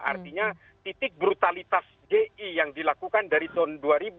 artinya titik brutalitas ji yang dilakukan dari tahun dua ribu